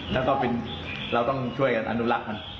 แล้วก็เราต้องช่วยกันอนุรักษ์มัน